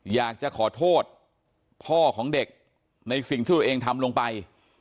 อยากจะขอโทษพ่อของเด็กในสิ่งที่ตัวเองทำลงไป